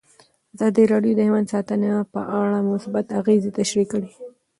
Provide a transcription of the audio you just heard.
ازادي راډیو د حیوان ساتنه په اړه مثبت اغېزې تشریح کړي.